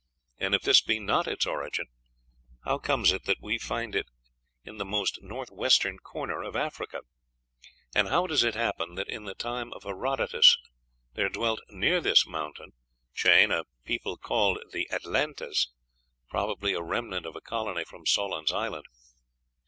And if this be not its origin, how comes it that we find it in the most north western corner of Africa? And how does it happen that in the time of Herodotus there dwelt near this mountain chain a people called the Atlantes, probably a remnant of a colony from Solon's island?